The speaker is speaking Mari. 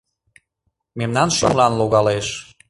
Мемнан шӱмлан логалеш.